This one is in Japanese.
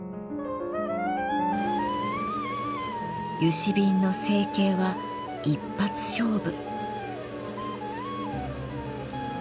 嘉瓶の成形は一発勝負。